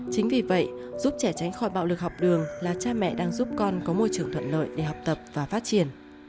chính vì vậy giúp trẻ tránh khỏi bạo lực học đường là cha mẹ đang giúp con có môi trường thuận lợi để học tập và phát triển